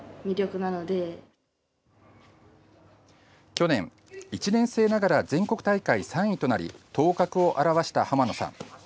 去年、１年生ながら全国大会３位となり頭角を現した濱野さん。